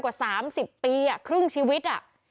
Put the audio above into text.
กว่า๓๐ปีครึ่งชีวิต